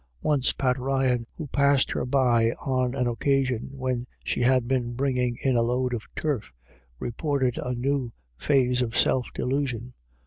Once Pat Ryan, who passed her by on an occasion when she had been bringing in a load of turf, reported a new phase of self delusion.